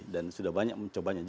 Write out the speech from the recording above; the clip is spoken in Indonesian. dan sudah banyak mencobanya